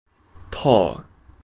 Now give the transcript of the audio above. Tour.